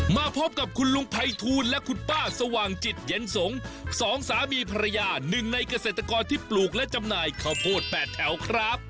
มาพบกับคุณลุงภัยทูลและคุณป้าสว่างจิตเย็นสงสองสามีภรรยาหนึ่งในเกษตรกรที่ปลูกและจำหน่ายข้าวโพด๘แถวครับ